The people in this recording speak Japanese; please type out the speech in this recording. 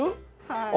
はい。